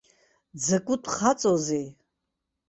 Дзакәытә хаҵоузеи!